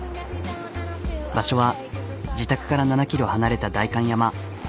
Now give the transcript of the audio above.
場所は自宅から７ｋｍ離れた代官山。